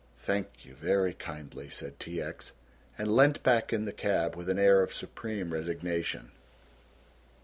"Thank you very kindly," said T. X., and leant back in the cab with an air of supreme resignation.